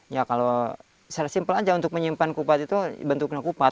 ya kalau secara simpel aja untuk menyimpan kupat itu bentuknya kupat